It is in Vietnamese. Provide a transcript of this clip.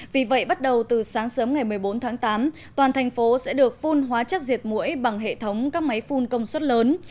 vì vậy bắt đầu từ sáng sớm ngày một mươi bốn tháng tám toàn thành phố sẽ được phun hóa chất diệt mũi bằng hệ thống các máy phun công suất lớn